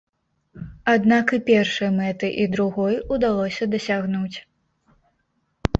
Аднак і першай мэты, і другой удалося дасягнуць.